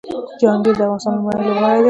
جهانګیر د افغانستان لومړنی لوبغاړی دی